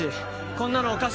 こんなのおかしい